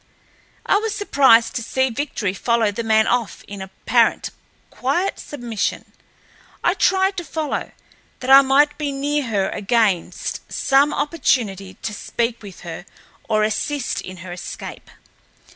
I was surprised to see Victory follow the man off in apparent quiet submission. I tried to follow, that I might be near her against some opportunity to speak with her or assist in her escape.